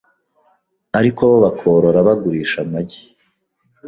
ariko bo bakorora bagurisha amagi